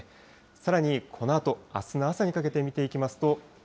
さらにこのあと、あすの朝にかけて見ていきますと。